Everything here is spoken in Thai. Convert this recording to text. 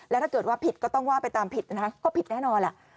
แล้วถ้าเกิดว่าผิดก็ต้องว่าไปตามผิดนะคะก็ผิดแน่นอนแหละ